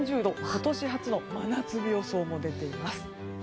今年初の真夏日予想も出ています。